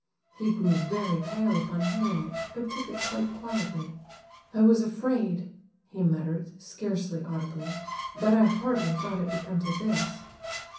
He grew very pale upon hearing it, but took it quite quietly. "I was afraid," he muttered, scarcely audibly, "but I hardly thought it would come to this."